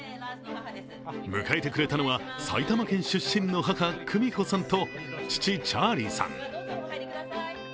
迎えてくれたのは埼玉県出身の母・久美子さんと父・チャーリーさん。